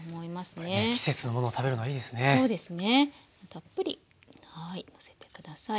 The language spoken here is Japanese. たっぷりはいのせて下さい。